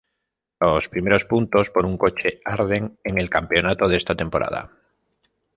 Los primeros puntos por un coche Arden en el campeonato de esta temporada.